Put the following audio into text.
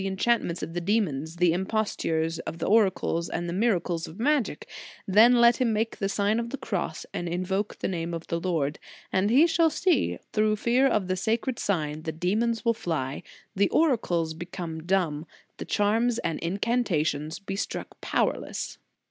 205 enchantments of the demons, the impostures of the oracles, and the miracles of magic; then let him make the Sign of the Cross and invoke the name of the Lord, and he shall see how, through fear of the sacred sign, the demons will fly, the oracles become dumb, the charms and incantations be struck power less."